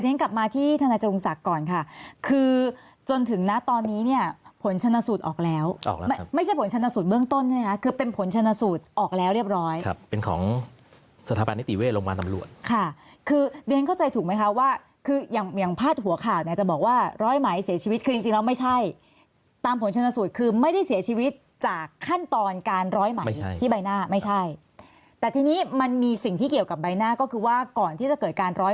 ออกมาแล้วเรียบร้อยครับเป็นของสถาบันนิติเว่ลงวานอำรวจค่ะคือเรียนเข้าใจถูกไหมครับว่าคืออย่างพาดหัวข่าวเนี่ยจะบอกว่าร้อยไหมเสียชีวิตคือจริงแล้วไม่ใช่ตามผลชนสูตรคือไม่ได้เสียชีวิตจากขั้นตอนการร้อยไหมที่ใบหน้าไม่ใช่แต่ทีนี้มันมีสิ่งที่เกี่ยวกับใบหน้าก็คือว่าก่อนที่จะเกิดการร้อย